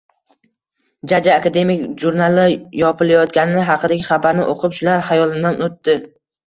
«Jajji akademik» jurnali yopilayotgani haqidagi xabarini o‘qib, shular xayolimdan o‘tdi.